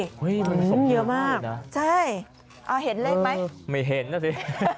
เฮ่ยมันสกเยอะมากใช่อ่าเห็นเลขไหมไม่เห็นนะสิ